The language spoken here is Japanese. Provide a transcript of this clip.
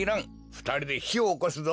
ふたりでひをおこすぞ。